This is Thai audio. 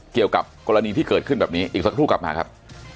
เกี่ยวกับกรณีที่เกิดขึ้นแบบนี้อีกสักครู่กลับมาครับ